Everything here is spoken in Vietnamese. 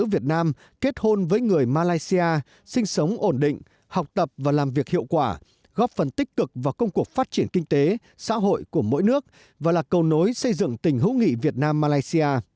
việt nam kết hôn với người malaysia sinh sống ổn định học tập và làm việc hiệu quả góp phần tích cực vào công cuộc phát triển kinh tế xã hội của mỗi nước và là cầu nối xây dựng tình hữu nghị việt nam malaysia